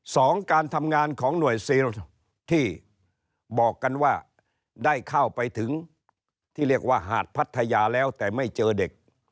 การทำงานของหน่วยซีลที่บอกกันว่าได้เข้าไปถึงที่เรียกว่าหาดพัทยาแล้วแต่ไม่เจอเด็ก